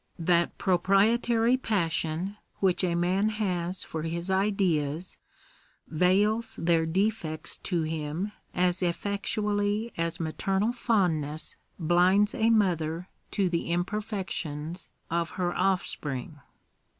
That proprietary pas sion, which a man has for his ideas, veils their defects to him as effectually as maternal fondness blinds a mother to the im perfections of her offspring.